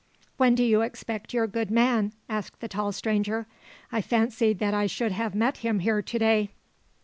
"When do you expect your good man?" asked the tall stranger. "I fancied that I should have met him here to day."